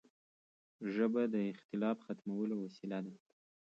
ژبه د اختلاف ختمولو وسیله ده